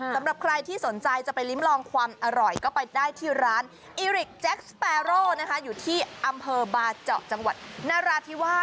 สำหรับใครที่สนใจจะไปลิ้มลองความอร่อยก็ไปได้ที่ร้านอิริกแจ็คสเปโร่นะคะอยู่ที่อำเภอบาเจาะจังหวัดนราธิวาส